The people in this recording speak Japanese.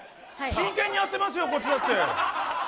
真剣にやってますよ、こっちだって。